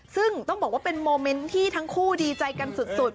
ซึ่งต้องบอกว่าเป็นโมเมนต์ที่ทั้งคู่ดีใจกันสุด